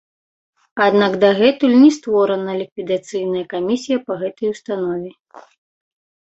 Аднак дагэтуль не створана ліквідацыйная камісія па гэтай установе.